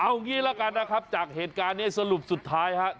เอางี้ละกันนะครับจากเหตุการณ์นี้สรุปสุดท้ายครับ